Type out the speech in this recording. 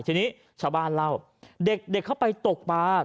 ทีนี้ชาวบ้านเล่าเด็กเข้าไปตกปลา